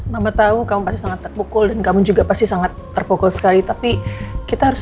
mama tahu kamu pasti sangat terpukul dan kamu juga pasti sangat terpukul sekali tapi kita harus